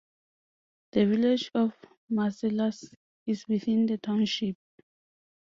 The village of Marcellus is within the township.